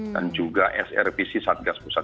dan juga srvc satgas pusat